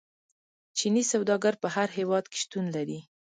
چیني سوداګر په هر هیواد کې شتون لري.